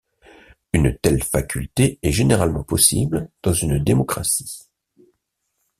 Une telle faculté est généralement possible dans une démocratie.